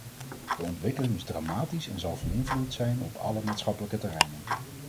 De ontwikkeling is dramatisch en zal van invloed zijn op alle maatschappelijke terreinen.